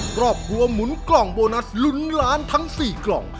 ครอบครัวหมุนกล่องโบนัสลุ้นล้านทั้ง๔กล่อง